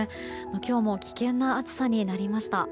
今日も危険な暑さになりました。